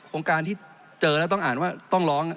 จริงโครงการนี้มันเป็นภาพสะท้อนของรัฐบาลชุดนี้ได้เลยนะครับ